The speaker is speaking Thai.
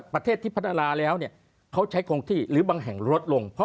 ประเทศที่พัฒนาแล้วเขาใช้คงที่หรือบางแห่งลดลง